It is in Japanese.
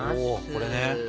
おこれね。